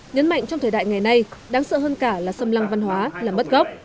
nhấn mạnh trong thời đại ngày nay đáng sợ hơn cả là xâm lăng văn hóa là mất gốc